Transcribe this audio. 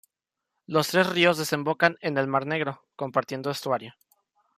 Los tres ríos desembocan en el Mar Negro, compartiendo estuario.